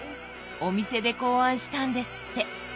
お店で考案したんですって。